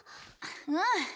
うん。